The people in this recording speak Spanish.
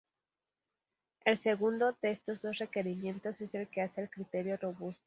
El segundo, de estos dos requerimientos es el que hace al criterio robusto.